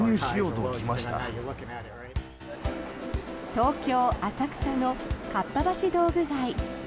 東京・浅草のかっぱ橋道具街。